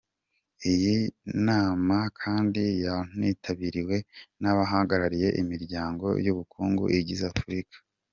Iyi nama kandi yanitabiriwe n’abahagarariye imiryango y’ubukungu igize Afurika.